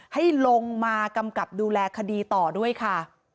ให้ลงมากำกับดูแลคดีต่อด้วยค่ะ